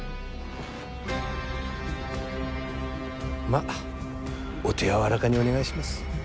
まあお手柔らかにお願いします。